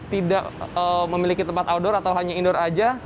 tidak memiliki tempat outdoor atau hanya indoor saja